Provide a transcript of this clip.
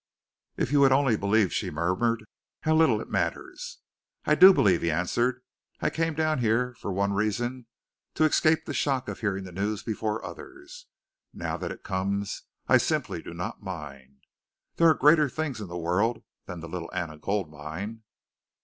"If you would only believe," she murmured, "how little it matters!" "I do believe," he answered. "I came down here, for one reason, to escape the shock of hearing the news before others. Now that it comes, I simply do not mind. There are greater things in the world than the Little Anna Gold Mine!"